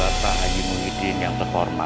maksud pak haji ngomong seperti itu apa